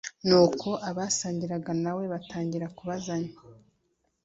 nuko abasangiraga na we batangira kubazanya